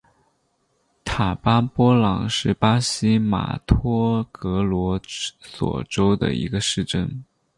塔巴波朗是巴西马托格罗索州的一个市镇。